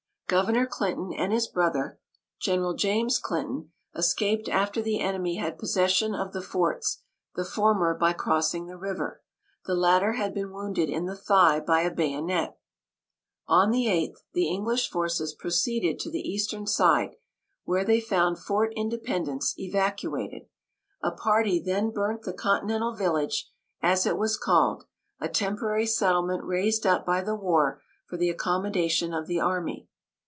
Governor Clinton and his brother, General James Clinton, escaped after the enemy had possession of the forts; the former by crossing the river. The latter had been wounded in the thigh by a bayonet. On the 8th, the English forces proceeded to the eastern side, where they found Fort Independence evacuated. A party then burnt the continental village, as it was called, a temporary settlement raised up by the war for the accommodation of the army.